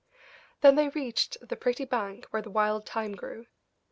Then they reached the pretty bank where the wild thyme grew.